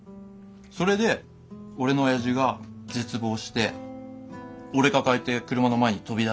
それで俺の親父が絶望して俺抱えて車の前に飛び出したとか。